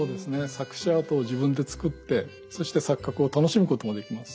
錯視アートを自分で作ってそして錯覚を楽しむこともできます。